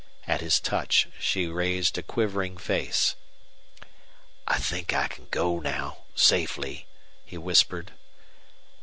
At his touch she raised a quivering face. "I think I can go now safely," he whispered.